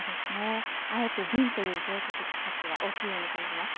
あえて瓶という情緒的価値は大きいように感じます。